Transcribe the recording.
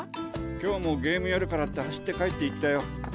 今日はもうゲームやるからって走って帰っていったよ。